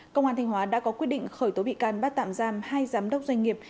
công an thanh hóa đã có quyết định khởi tố bị can bắt tạm giam hai giám đốc doanh nghiệp